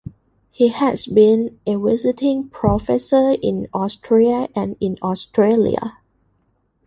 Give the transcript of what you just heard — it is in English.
He has been a visiting professor in Austria and in Australia.